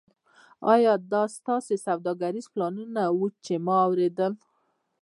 ایا دا ستاسو سوداګریز پلانونه وو چې ما اوریدل